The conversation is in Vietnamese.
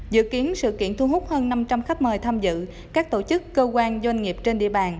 dự kiến sự kiện thu hút hơn năm trăm linh khách mời tham dự các tổ chức cơ quan doanh nghiệp trên địa bàn